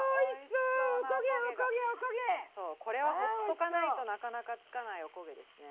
そうこれはほっとかないとなかなか付かないおこげですね。